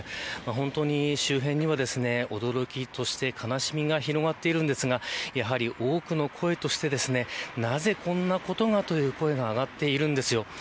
本当に周辺には驚きと悲しみが広がっているんですがやはり多くの声としてなぜこんなことがという声が上がっています。